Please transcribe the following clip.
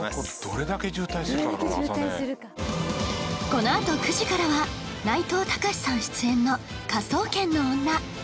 このあと９時からは内藤剛志さん出演の『科捜研の女』